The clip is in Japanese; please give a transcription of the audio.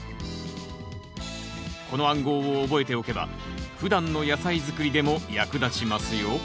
この暗号を覚えておけばふだんの野菜作りでも役立ちますよ